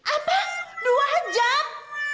apa dua jam